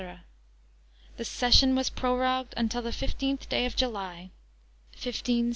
The Session was prorogued until the fifteenth day of July, MDLXIII.